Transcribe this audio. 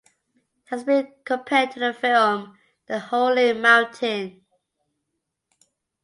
It has been compared to the film "The Holy Mountain".